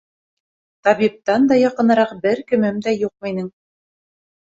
Табиптан да яҡыныраҡ бер кемем дә юҡ минең.